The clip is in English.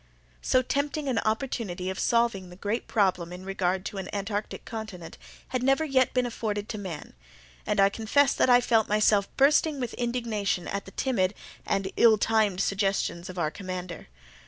So tempting an opportunity of solving the great problem in regard to an Antarctic continent had never yet been afforded to man, and I confess that I felt myself bursting with indignation at the timid and ill timed suggestions of our commander.